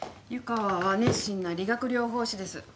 湯川は熱心な理学療法士です。